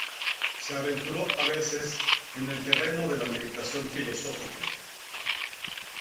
Se aventuró a veces en el terreno de la meditación filosófica.